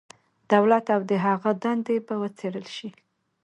دولت او د هغه دندې به وڅېړل شي.